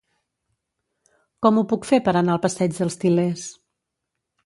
Com ho puc fer per anar al passeig dels Til·lers?